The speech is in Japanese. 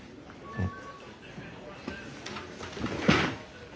うん。